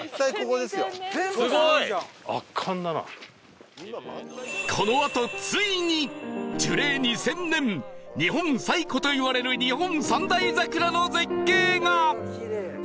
このあとついに樹齢２０００年日本最古といわれる日本三大桜の絶景が！